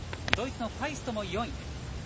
ドイツのファイストも４位。